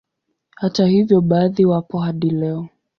Hata hivyo baadhi wapo hadi leo